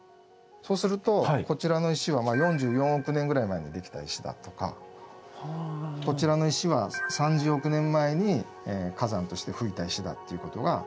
そうするとこちらの石は４４億年ぐらい前にできた石だとかこちらの石は３０億年前に火山として噴いた石だということが分かる。